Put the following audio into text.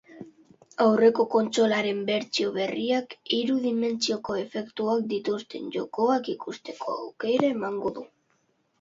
Aurreko kontsolaren bertsio berriak hiru dimentsioko efektuak dituzten jokoak ikusteko aukera emango du.